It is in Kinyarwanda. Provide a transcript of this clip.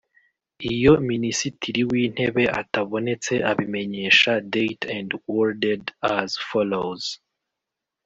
Iyo Minisitiri w Intebe atabonetse abimenyesha date and worded as follows